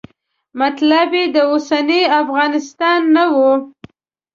مطلب یې د اوسني افغانستان نه و.